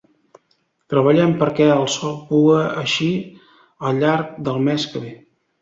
Treballem perquè el sol puga eixir al llarg del mes que ve.